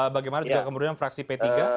bagaimana jika kemudian fraksi p tiga